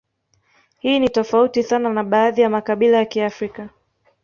Hii ni tofauti sana na baadhi ya makabila ya Kiafrika